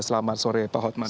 selamat sore pak hotman